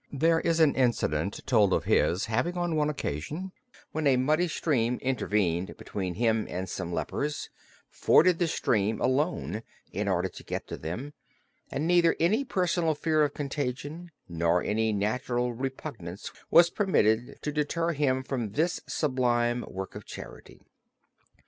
There is an incident told of his having on one occasion, when a muddy stream intervened between him and some lepers, forded the stream alone in order to get to them, and neither any personal fear of contagion nor any natural repugnance was permitted to deter him from this sublime work of charity.